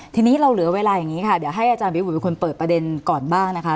ทีนี้เราเหลือเวลาอย่างนี้ค่ะเดี๋ยวให้อาจารย์วิบุตเป็นคนเปิดประเด็นก่อนบ้างนะคะ